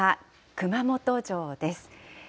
熊本城です。